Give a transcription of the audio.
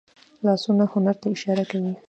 لاسونه هنر ته اشاره کوي